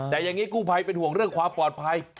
แต่อย่างนี้กู้ไพหวังเรื่องความปลอดภัย